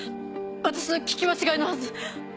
私の聞き間違いのはず。